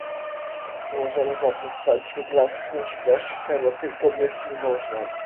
Nie możemy zatem wprowadzać regulacji cen żywności w całej Europie zgodnie z tymi założeniami